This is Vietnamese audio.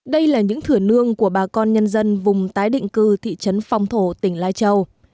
đây là những thửa nương của bà con nhân dân vùng tái định cư thị trấn phong thổ tỉnh lai châu